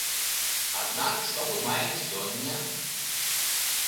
Аднак што мы маем сёння?